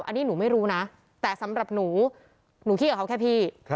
อันนี้หนูไม่รู้นะแต่สำหรับหนูหนูคิดกับเขาแค่พี่